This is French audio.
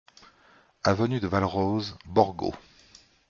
Avenue de Valrose, Borgo